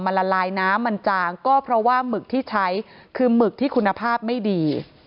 ละลายน้ำมันจางก็เพราะว่าหมึกที่ใช้คือหมึกที่คุณภาพไม่ดี